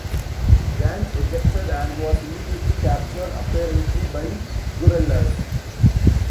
Gant ejected and was immediately captured, apparently by guerrillas.